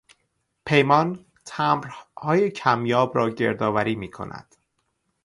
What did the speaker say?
پیمان تمبرهای کمیاب را گردآوری میکند.